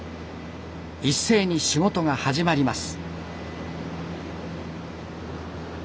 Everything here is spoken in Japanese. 一斉に仕事が始まります。